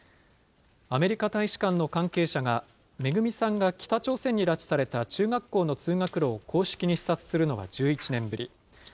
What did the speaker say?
アメリカ大使館の関係者が、めぐみさんが北朝鮮に拉致された中学校の通学路を公式に視察するのは１１年ぶり。